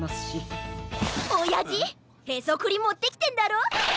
おやじへそくりもってきてんだろ？